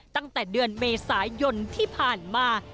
ตั้งแต่เดือนเมษายนที่ผ่านมา